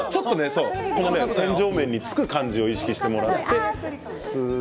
天井面につく感じを意識してもらって。